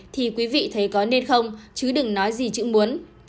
thì quý vị thấy có nên không chứ đừng nói gì chữ muốn